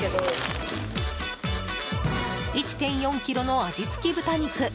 １．４ｋｇの味付き豚肉。